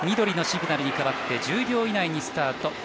緑のシグナルに変わって１０秒以内にスタート。